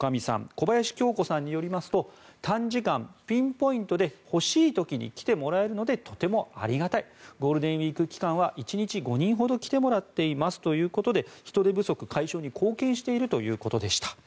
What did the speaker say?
小林享子さんによりますと短時間、ピンポイントで欲しい時に来てもらえるのでとてもありがたいゴールデンウィーク期間は１日５人ほど来てもらっていますということで人手不足解消に貢献しているということでした。